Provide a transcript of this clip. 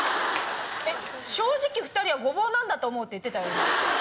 「正直２人はゴボウなんだと思う」って言ってたよね。